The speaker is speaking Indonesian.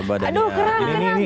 aduh keren keren